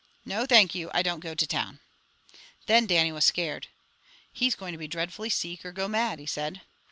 No, thank you, I don't go to town!" Then Dannie was scared. "He's going to be dreadfully seek or go mad," he said.